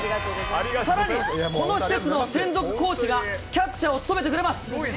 さらに、この施設の専属コーチがキャッチャーを務めてくれます。